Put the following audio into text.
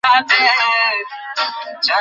আমাকে বেরোতে দাও!